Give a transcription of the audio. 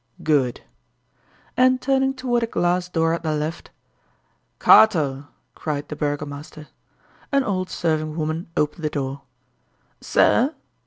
"Good!" And turning toward a glass door at the left: "Katel!" cried the burgomaster. An old serving woman opened the door. "Sir?"